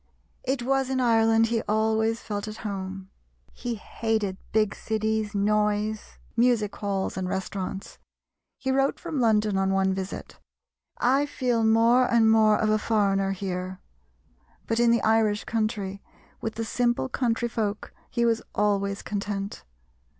It was in Ireland he always felt at home; he hated big cities, noise, music halls, and restaurants. He wrote from London on one visit, "I feel more and more of a foreigner here"; but in the Irish country, with the simple country folk, he was always content.